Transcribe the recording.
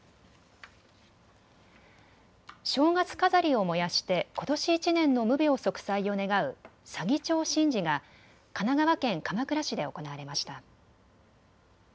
正月飾りを燃やしてことし１年の無病息災を願う左義長神事が神奈川県鎌倉市で行われました。